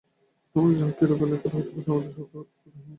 তোমরা জান, কিরূপে তিনি যমের নিকট হইতে সমুদয় তত্ত্ব অবগত হইলেন।